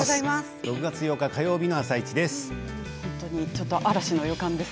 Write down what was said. ６月８日火曜日の「あさイチ」です。